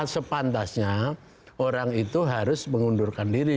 sepantasnya orang itu harus mengundurkan diri